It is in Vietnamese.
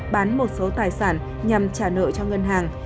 bán một số tài sản nhằm trả nợ cho ngân hàng